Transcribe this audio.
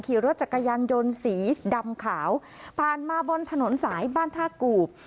ขี่รถจักรยานยนต์สีดำขาวผ่านมาบนถนนสายบ้านท่ากูบ